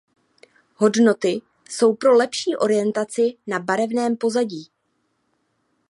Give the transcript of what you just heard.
Hodnoty jsou pro lepší orientaci na barevném pozadí.